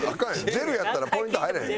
「ジェル」やったらポイント入らへん。